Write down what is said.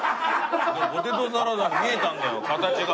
ポテトサラダに見えたんだよ形が。